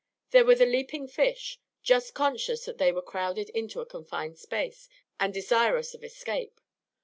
There were the leaping fish, just conscious that they were crowded into a confined place, and desirous of escape.